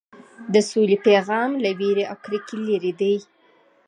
د سولې پیغام له وېرې او کرکې لرې دی.